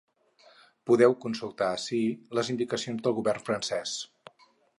Podeu consultar ací les indicacions del govern francès.